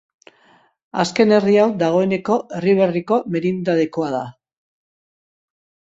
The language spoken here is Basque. Azken herri hau dagoeneko Erriberriko merindadekoa da.